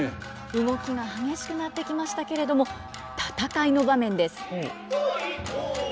動きが激しくなってきましたけれども戦いの場面です。